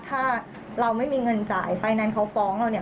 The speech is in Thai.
ถ้าเราไม่มีเงินจ่ายไฟแนนซ์เขาฟ้องเราเนี่ย